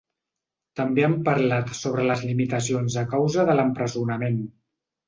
També han parlat sobre les limitacions a causa de l’empresonament.